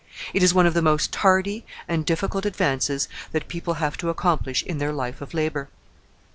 It is one of the most tardy and difficult advances that people have to accomplish in their life of labor.